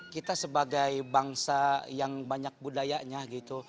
kita sebagai bangsa yang banyak budayanya gitu